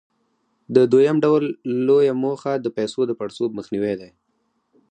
د دویم ډول لویه موخه د پیسو د پړسوب مخنیوى دی.